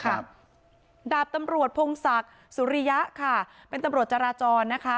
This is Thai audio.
ดาบตำรวจพงศักดิ์สุริยะค่ะเป็นตำรวจจราจรนะคะ